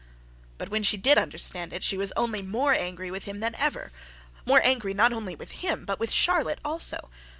But when she did understand it, she was only more angry with him than ever: more angry, not only with him, but with Charlotte also.